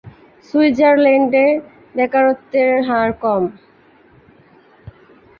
সুইজারল্যান্ডে বেকারত্বের হার কম।